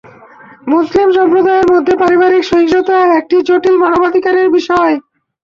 মুসলিম সম্প্রদায়ের মধ্যে পারিবারিক সহিংসতা একটি জটিল মানবাধিকার বিষয়।